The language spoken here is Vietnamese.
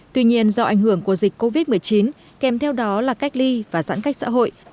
tuy nhiên do ảnh hưởng của dịch covid một mươi chín kèm theo đó là cách ly và giãn cách xã hội